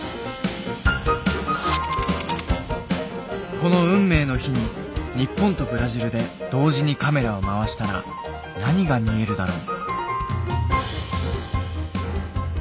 この運命の日に日本とブラジルで同時にカメラを回したら何が見えるだろう？